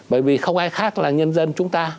bởi vì không ai khác là nhân dân chúng ta